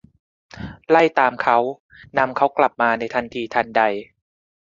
ไล่ตามเขา ; นำเขากลับมาในทันทีทันใด